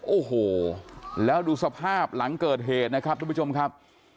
โอ้โหแล้วดูสภาพหลังเกิดเหตุนะครับทุกผู้ชมครับ